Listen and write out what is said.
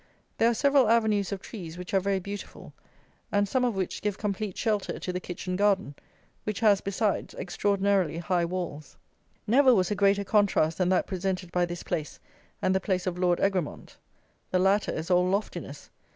There are several avenues of trees which are very beautiful, and some of which give complete shelter to the kitchen garden, which has, besides, extraordinarily high walls. Never was a greater contrast than that presented by this place and the place of Lord Egremont. The latter is all loftiness.